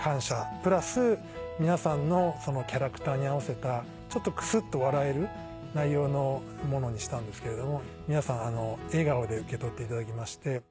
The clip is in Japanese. プラス皆さんのキャラクターに合わせたちょっとクスっと笑える内容のものにしたんですけれども皆さん笑顔で受け取っていただきまして。